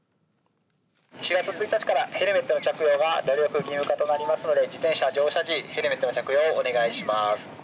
４月１日からヘルメットの着用が努力義務化となりますので自転車乗車時ヘルメットの着用をお願いします。